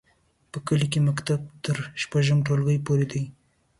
په کلي کې مکتب تر شپږم ټولګي پورې دی.